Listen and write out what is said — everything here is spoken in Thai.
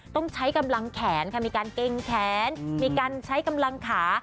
ต้องใช้กำลังแขนค่ะมีการเกรงแขนมีการใช้กำลังขา